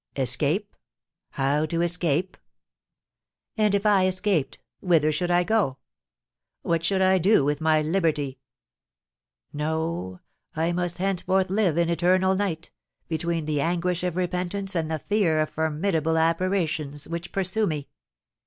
Escape, how to escape? And, if I escaped, whither should I go? What should I do with my liberty? No; I must henceforth live in eternal night, between the anguish of repentance and the fear of formidable apparitions which pursue me.